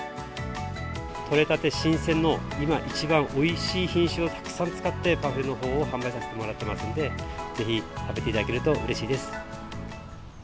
取れたて新鮮の、今一番おいしい品種をたくさん使ってパフェのほうを販売させてもらってますんで、ぜひ食べていただけるとうれしいです。